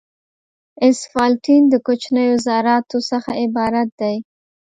اسفالټین د کوچنیو ذراتو څخه عبارت دی